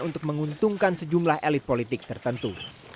untuk menguntungkan sejumlah elit politik tertentu